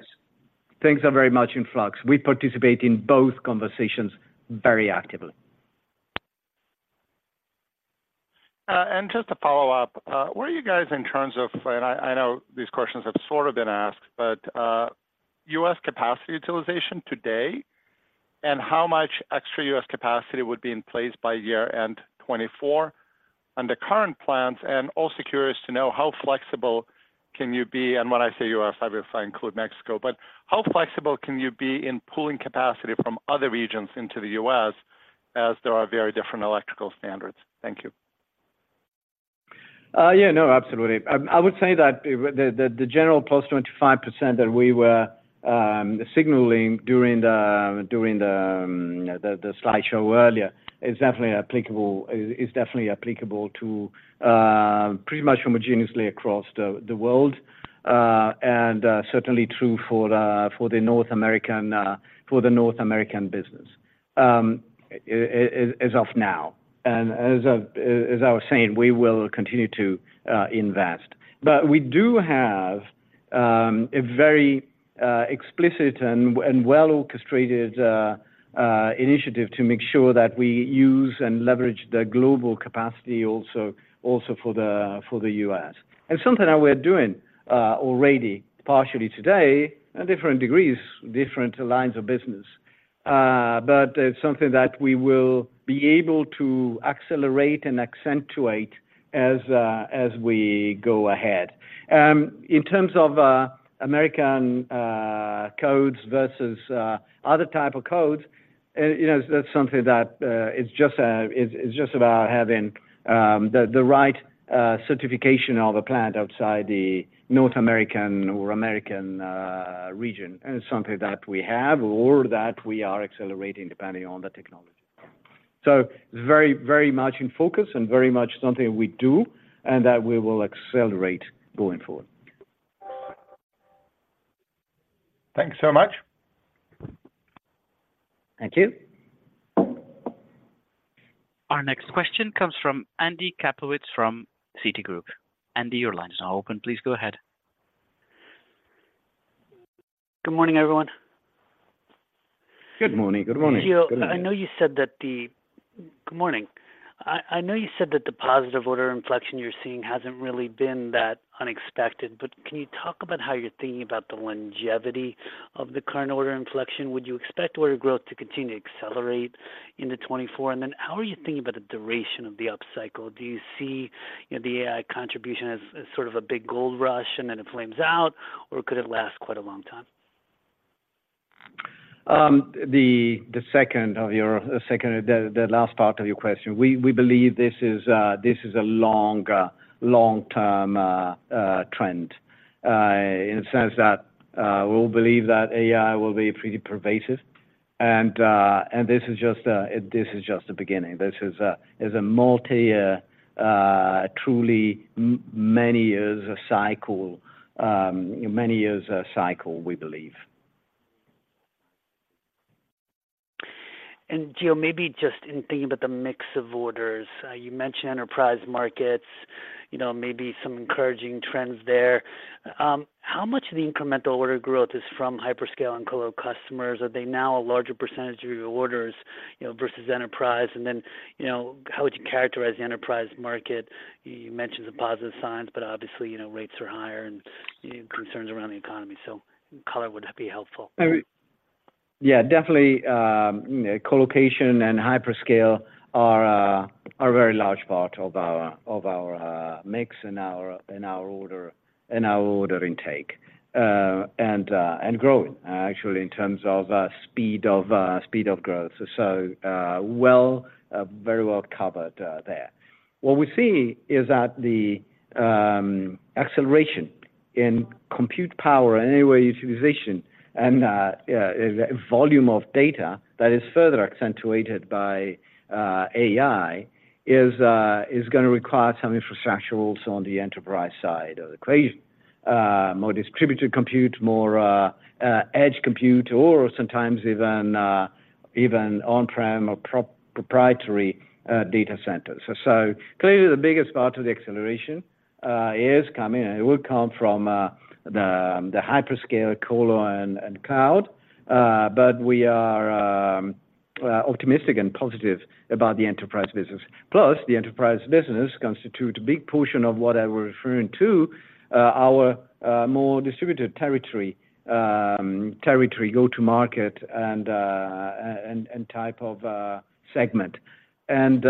Things are very much in flux. We participate in both conversations very actively. And just to follow up, where are you guys in terms of—and I know these questions have sort of been asked, but, U.S. capacity utilization today, and how much extra U.S. capacity would be in place by year-end 2024? Under current plans, and also curious to know, how flexible can you be? And when I say U.S., obviously, I include Mexico, but how flexible can you be in pulling capacity from other regions into the U.S., as there are very different electrical standards? Thank you. Yeah, no, absolutely. I would say that the general plus 25% that we were signaling during the slide show earlier is definitely applicable, is definitely applicable to pretty much homogeneously across the world. And certainly true for the North American business as of now. And as I was saying, we will continue to invest. But we do have a very explicit and well-orchestrated initiative to make sure that we use and leverage the global capacity also for the U.S. Something that we're doing already partially today, at different degrees, different lines of business, but it's something that we will be able to accelerate and accentuate as we go ahead. In terms of American codes versus other type of codes, you know, that's something that is just about having the right certification of a plant outside the North American or American region, and something that we have or that we are accelerating depending on the technology. So very, very much in focus and very much something we do, and that we will accelerate going forward. Thanks so much. Thank you. Our next question comes from Andy Kaplowitz from Citigroup. Andy, your line is now open. Please go ahead. Good morning, everyone. Good morning. Good morning. Gio, I know you said that the... Good morning. I, I know you said that the positive order inflection you're seeing hasn't really been that unexpected, but can you talk about how you're thinking about the longevity of the current order inflection? Would you expect order growth to continue to accelerate into 2024? And then how are you thinking about the duration of the upcycle? Do you see, you know, the AI contribution as, as sort of a big gold rush and then it flames out, or could it last quite a long time? The second, the last part of your question, we believe this is a long-term trend in the sense that we all believe that AI will be pretty pervasive. And this is just the beginning. This is a multi-year, truly many years cycle, we believe. Gio, maybe just in thinking about the mix of orders, you mentioned enterprise markets, you know, maybe some encouraging trends there. How much of the incremental order growth is from hyperscale and Colo customers? Are they now a larger percentage of your orders, you know, versus enterprise? And then, you know, how would you characterize the enterprise market? You mentioned the positive signs, but obviously, you know, rates are higher and, you know, concerns around the economy, so color would be helpful. Yeah, definitely, Colocation and hyperscale are a very large part of our mix and our order intake and growing actually in terms of speed of growth. So, well, very well covered there. What we see is that the acceleration in compute power and anyway, utilization and volume of data that is further accentuated by AI is gonna require some infrastructure also on the enterprise side of the equation. More distributed compute, more edge compute, or sometimes even on-prem or proprietary data centers. So clearly, the biggest part of the acceleration is coming, and it will come from the hyperscale, Colo and Cloud, but we are optimistic and positive about the enterprise business. Plus, the enterprise business constitute a big portion of what I was referring to, our more distributed territory go-to-market and type of segment. And,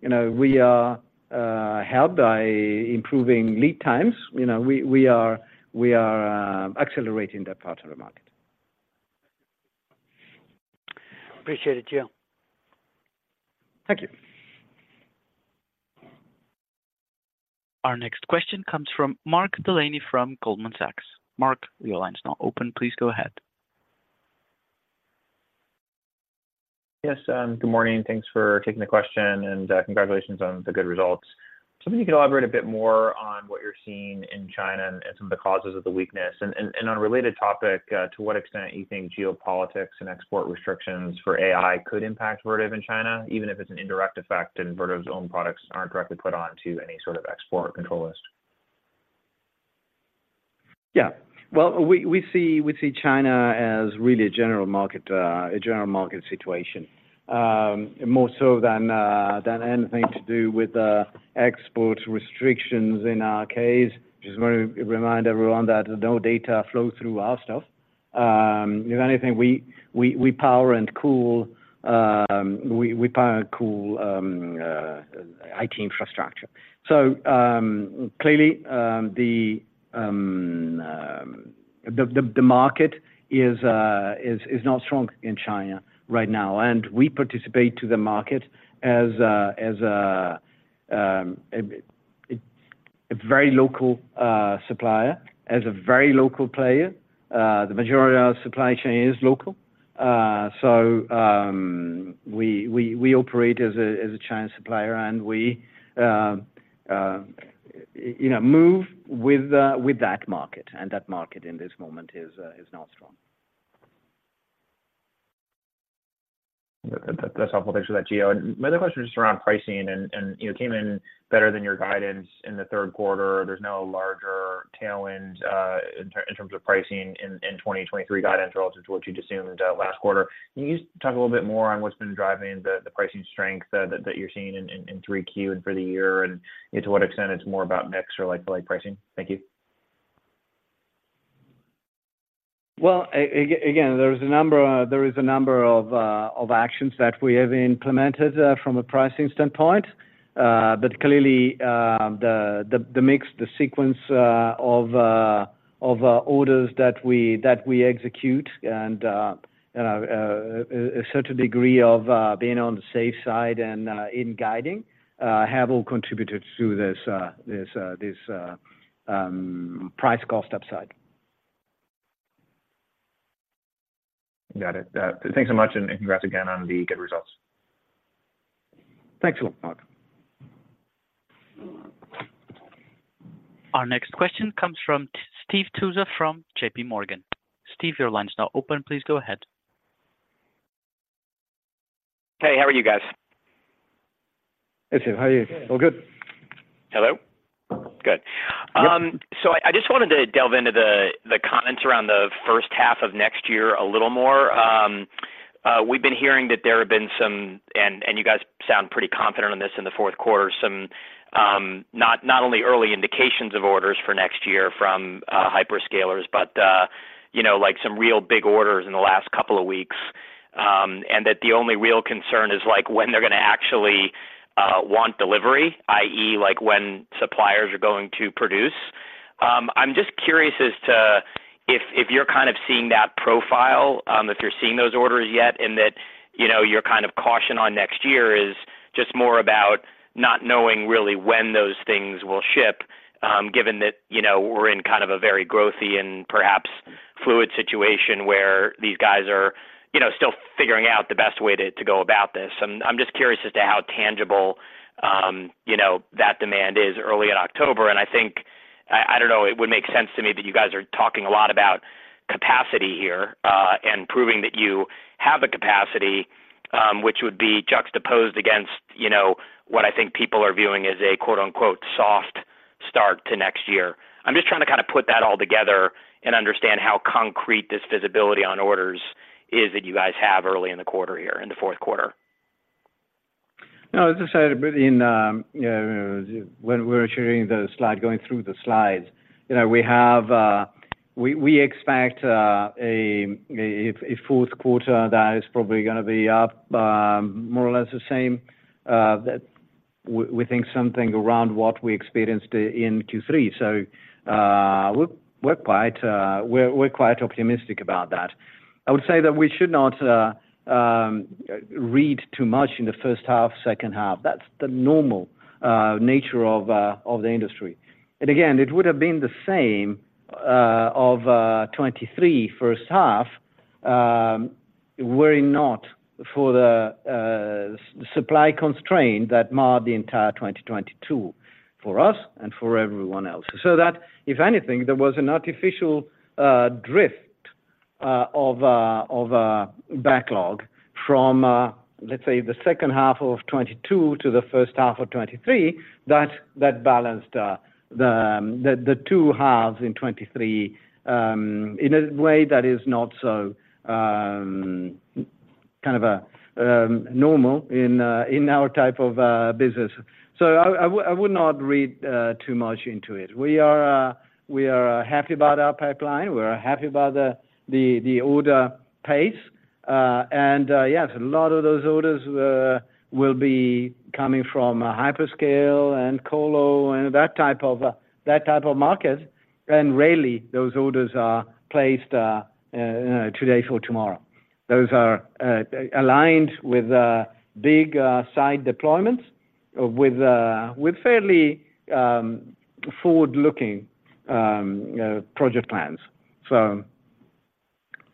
you know, we are helped by improving lead times. You know, we are accelerating that part of the market. Appreciate it, Gio. Thank you. Our next question comes from Mark Delaney from Goldman Sachs. Mark, your line is now open. Please go ahead. Yes, good morning, and thanks for taking the question, and, congratulations on the good results. So if you could elaborate a bit more on what you're seeing in China and on a related topic, to what extent do you think geopolitics and export restrictions for AI could impact Vertiv in China, even if it's an indirect effect and Vertiv's own products aren't directly put onto any sort of export control list? Yeah. Well, we see China as really a general market situation, more so than anything to do with export restrictions in our case. Just wanna remind everyone that no data flow through our stuff. If anything, we power and cool IT infrastructure. So, clearly, the market is not strong in China right now, and we participate to the market as a very local supplier, as a very local player. The majority of our supply chain is local, so we operate as a Chinese supplier, and, you know, we move with that market, and that market in this moment is not strong. That, that's helpful. Thanks for that, Gio. My other question is just around pricing and, you know, came in better than your guidance in the third quarter. There's no larger tailwind in terms of pricing in 2023 guidance relative to what you'd assumed last quarter. Can you just talk a little bit more on what's been driving the pricing strength that you're seeing in 3Q and for the year, and, you know, to what extent it's more about mix or like-to-like pricing? Thank you. Well, again, there is a number of actions that we have implemented from a pricing standpoint. But clearly, the mix, the sequence of orders that we execute and a certain degree of being on the safe side and in guiding have all contributed to this price-cost upside. Got it. Thanks so much, and congrats again on the good results. Thanks a lot, Mark. Our next question comes from Steve Tusa from JP Morgan. Steve, your line is now open. Please go ahead. Hey, how are you guys? Hey, Steve. How are you? All good. Hello? Good. Yep. So I just wanted to delve into the comments around the first half of next year a little more. We've been hearing that there have been some... And you guys sound pretty confident on this in the fourth quarter, some not only early indications of orders for next year from hyperscalers, but you know, like, some real big orders in the last couple of weeks. And that the only real concern is, like, when they're gonna actually want delivery, i.e., like, when suppliers are going to produce. I'm just curious as to if you're kind of seeing that profile, if you're seeing those orders yet, and that, you know, your kind of caution on next year is just more about not knowing really when those things will ship, given that, you know, we're in kind of a very growthy and perhaps fluid situation where these guys are, you know, still figuring out the best way to go about this. I'm just curious as to how tangible, you know, that demand is early in October, and I think, I don't know, it would make sense to me that you guys are talking a lot about capacity here, and proving that you have the capacity, which would be juxtaposed against, you know, what I think people are viewing as a, quote, unquote, "soft start" to next year. I'm just trying to kinda put that all together and understand how concrete this visibility on orders is that you guys have early in the quarter here, in the fourth quarter. No, as I said, you know, when we were sharing the slide, going through the slides, you know, we have, we expect a fourth quarter that is probably gonna be up, more or less the same, that we think something around what we experienced in Q3. So, we're quite optimistic about that. I would say that we should not read too much in the first half, second half. That's the normal nature of the industry. And again, it would have been the same of 2023 first half, were it not for the supply constraint that marred the entire 2022 for us and for everyone else. So that if anything, there was an artificial drift of backlog from, let's say, the second half of 2022 to the first half of 2023, that balanced the two halves in 2023, in a way that is not so kind of normal in our type of business. So I would not read too much into it. We are happy about our pipeline, we are happy about the order pace, and yes, a lot of those orders will be coming from Hyperscale and Colo, and that type of market, and rarely those orders are placed today for tomorrow. Those are aligned with big site deployments or with fairly forward-looking, you know, project plans.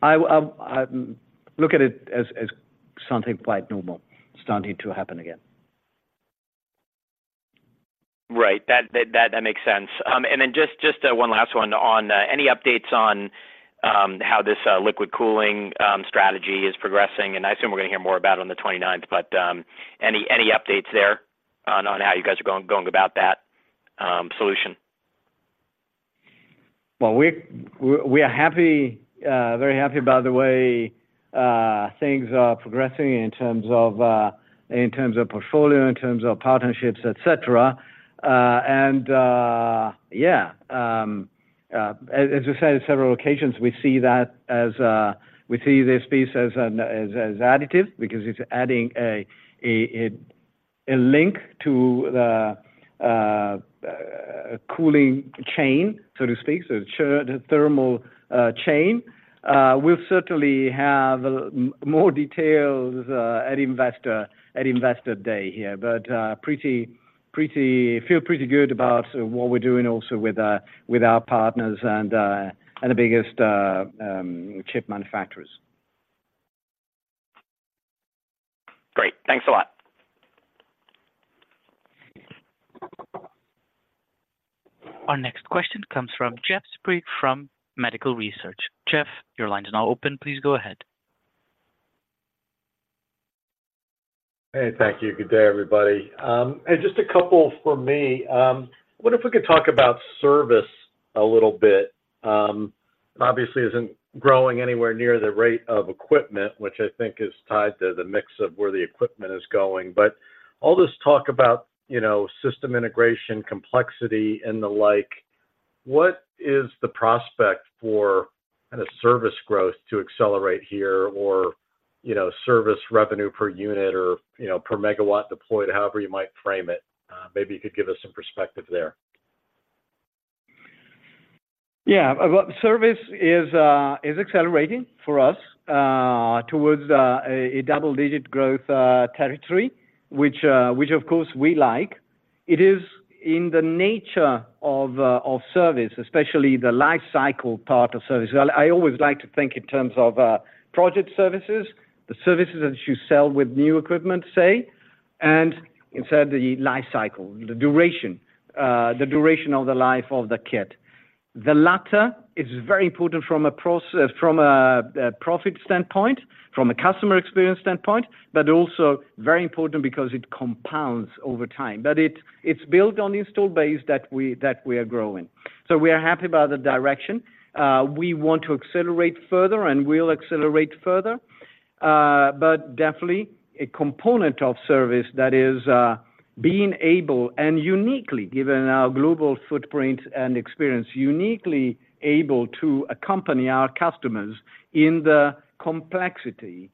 So I look at it as something quite normal starting to happen again. Right. That, that, that makes sense. And then just, just, one last one on, any updates on, how this, Liquid Cooling Strategy is progressing? And I assume we're going to hear more about it on the twenty-ninth, but, any, any updates there on, on how you guys are going, going about that, solution? Well, we're happy, very happy about the way things are progressing in terms of portfolio, in terms of partnerships, et cetera. And as we said on several occasions, we see this piece as an additive, because it's adding a link to the cooling chain, so to speak, so the thermal chain. We'll certainly have more details at Investor Day here, but feel pretty good about what we're doing also with our partners and the biggest chip manufacturers. Great. Thanks a lot. Our next question comes from Jeff Sprague from Vertical Research. Jeff, your line is now open. Please go ahead. Hey, thank you. Good day, everybody. And just a couple for me. What if we could talk about service a little bit? It obviously isn't growing anywhere near the rate of equipment, which I think is tied to the mix of where the equipment is going. But all this talk about, you know, system integration, complexity, and the like, what is the prospect for a service growth to accelerate here or, you know, service revenue per unit or, you know, per megawatt deployed, however you might frame it? Maybe you could give us some perspective there. Yeah. Well, service is accelerating for us towards a double-digit growth territory, which of course we like. It is in the nature of service, especially the life cycle part of service. I always like to think in terms of project services, the services that you sell with new equipment, say, and inside the life cycle, the duration of the life of the kit. The latter is very important from a process, from a profit standpoint, from a customer experience standpoint, but also very important because it compounds over time. But it's built on the install base that we are growing. So we are happy about the direction. We want to accelerate further, and we'll accelerate further. But definitely a component of service that is being able and uniquely, given our global footprint and experience, uniquely able to accompany our customers in the complexity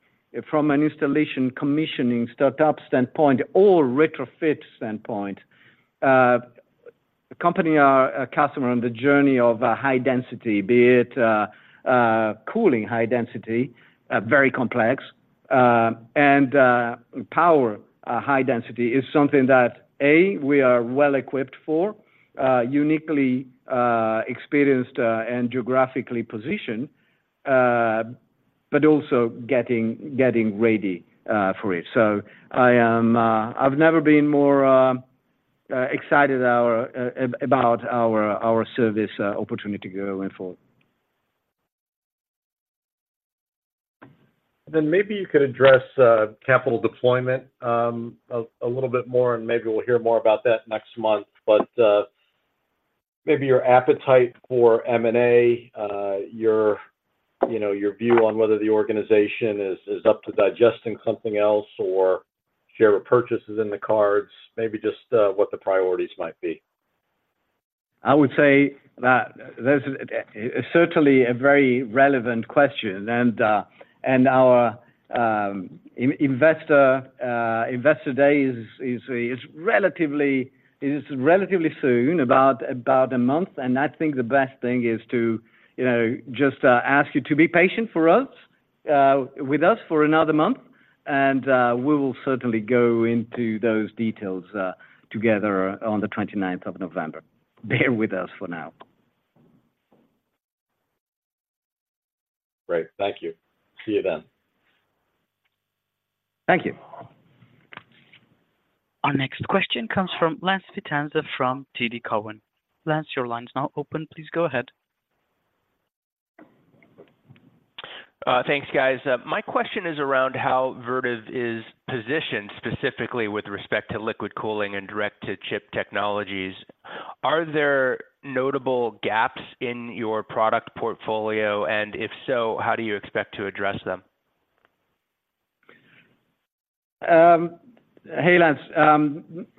from an installation, commissioning, startup standpoint or retrofit standpoint. Accompany our customer on the journey of a high density, be it cooling high density, very complex, and power, high density is something that we are well equipped for, uniquely experienced, and geographically positioned, but also getting ready for it. So I am, I've never been more excited about our service opportunity going forward. Then maybe you could address capital deployment a little bit more, and maybe we'll hear more about that next month. But maybe your appetite for M&A your you know your view on whether the organization is up to digesting something else or share purchases in the cards, maybe just what the priorities might be. I would say that there's certainly a very relevant question, and our Investor Day is relatively soon, about a month, and I think the best thing is to, you know, just ask you to be patient with us for another month, and we will certainly go into those details together on the 29th of November. Bear with us for now. Great. Thank you. See you then. Thank you. Our next question comes from Lance Vitanza from TD Cowen. Lance, your line is now open. Please go ahead. Thanks, guys. My question is around how Vertiv is positioned specifically with respect to Liquid Cooling and direct-to-chip technologies. Are there notable gaps in your product portfolio? And if so, how do you expect to address them? Hey, Lance.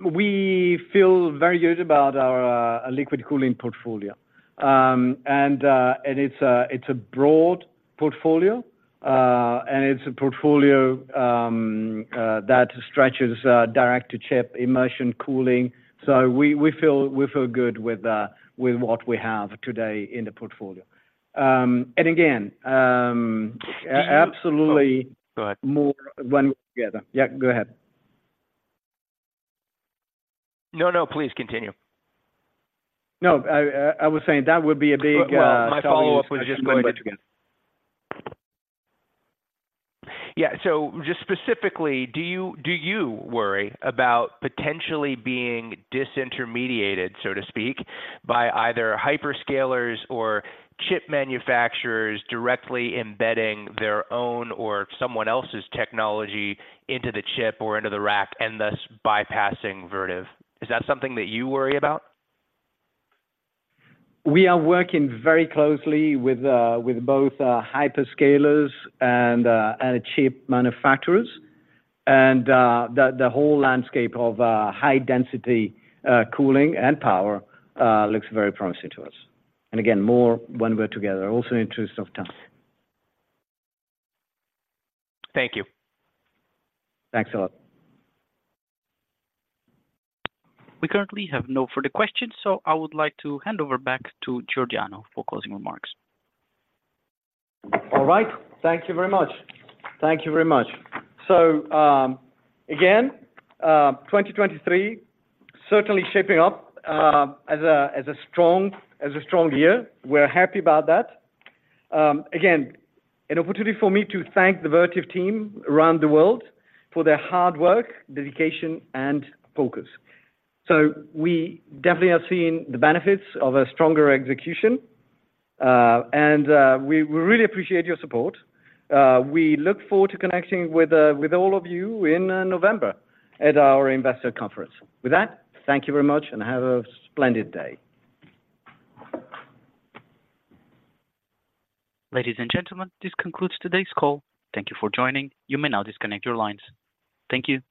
We feel very good about our Liquid Cooling portfolio. And it's a broad portfolio that stretches direct-to-chip, immersion cooling. So we feel good with what we have today in the portfolio. And again, absolutely- Go ahead. more when we're together. Yeah, go ahead. No, no, please continue. No, I was saying that would be a big follow up- Well, my follow-up was just- Go ahead again. Yeah. So just specifically, do you, do you worry about potentially being disintermediated, so to speak, by either hyperscalers or chip manufacturers directly embedding their own or someone else's technology into the chip or into the rack, and thus bypassing Vertiv? Is that something that you worry about? We are working very closely with both hyperscalers and chip manufacturers. And the whole landscape of high density cooling and power looks very promising to us. And again, more when we're together, also in interest of time. Thank you. Thanks a lot. We currently have no further questions, so I would like to hand over back to Giordano for closing remarks. All right. Thank you very much. Thank you very much. So, again, 2023 certainly shaping up as a strong year. We're happy about that. Again, an opportunity for me to thank the Vertiv team around the world for their hard work, dedication, and focus. So we definitely have seen the benefits of a stronger execution, and we really appreciate your support. We look forward to connecting with all of you in November at our investor conference. With that, thank you very much, and have a splendid day. Ladies and gentlemen, this concludes today's call. Thank you for joining. You may now disconnect your lines. Thank you.